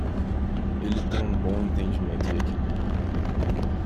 Ele tem um bom entendimento e equilíbrio